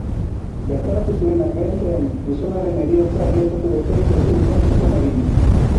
Bertaratu ziren agenteek gizonaren heriotza egiaztatu besterik ezin izan zuten egin.